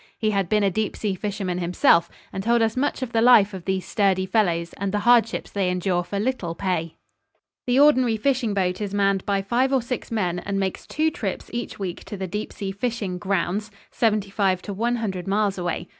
He had been a deep sea fisherman himself and told us much of the life of these sturdy fellows and the hardships they endure for little pay. [Illustration: NEAR LAND'S END. From Water Color by Wm. T. Richards.] The ordinary fishing boat is manned by five or six men and makes two trips each week to the deep sea fishing "grounds," seventy five to one hundred miles away.